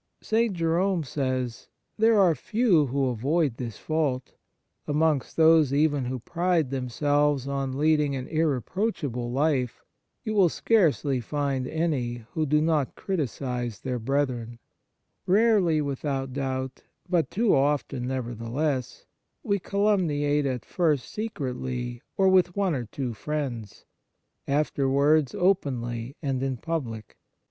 St. Jerome says: " There are few who avoid this fault. Amongst those even who pride themselves on leading an irreproachable life, you will scarcely find any who do not criticize their brethren." 50 Second Preservative Rarely, without doubt, but too often, never theless, we calumniate at first secretly or with one or two friends, afterwards openly and in public.